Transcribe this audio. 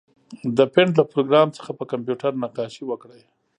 د پېنټ له پروګرام څخه په کمپیوټر نقاشي وکړئ.